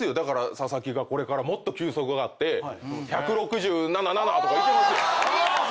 佐々木がこれからもっと球速が上がって１６０「ナナナナ」とかいけますよ。